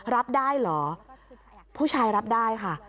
รับได้เหรอผู้ชายรับได้ค่ะ